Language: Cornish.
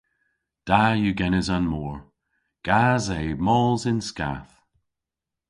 Da yw genes an mor. Gas e mos yn skath.